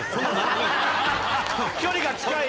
距離が近い。